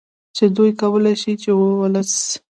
چې دوی کولې شي چې ولس